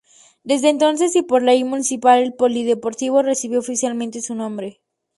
Desde entonces, y por Ley Municipal, el polideportivo recibió oficialmente su nombre.